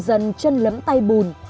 dân chân lấm tay bùn